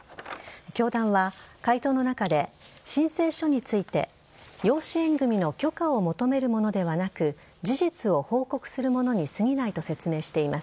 教団は回答の中で申請書について養子縁組の許可を求めるものではなく事実を報告するものにすぎないと説明しています。